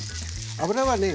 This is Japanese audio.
油はね